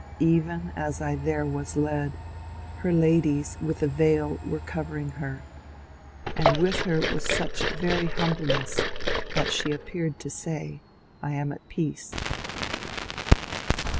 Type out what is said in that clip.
Even as I there was led. Her ladies with a veil were covering her; And with her was such very humbleness That she appeared to say, I am at peace."